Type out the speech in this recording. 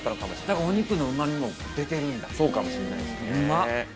だから、お肉のうまみも出てそうかもしれないですね。